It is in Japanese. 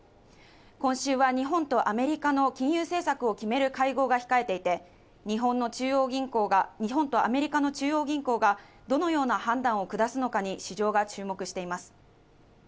今週は日本とアメリカの金融政策を決める会合が控えていて、日本とアメリカの中央銀行がどのような判断を下すのかに市場が注目しています。